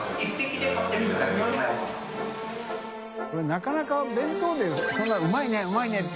なかなか弁当でそんなうまいねうまいねって